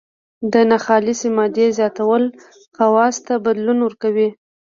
د ناخالصې مادې زیاتول خواصو ته بدلون ورکوي.